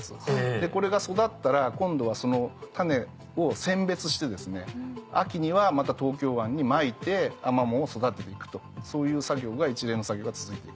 でこれが育ったら今度はその種を選別して秋にはまた東京湾にまいてアマモを育てていくとそういう一連の作業が続いていく。